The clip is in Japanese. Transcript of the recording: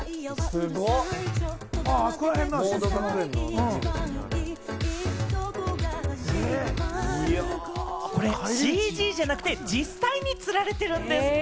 すごい！これＣＧじゃなくて、実際に吊られてるんですって。